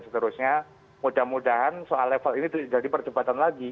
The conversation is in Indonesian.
seterusnya mudah mudahan soal level ini jadi percepatan lagi